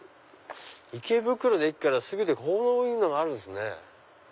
池袋の駅からすぐでこういうのがあるんですね。